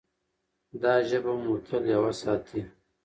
دا ژبه به مو تل یوه ساتي.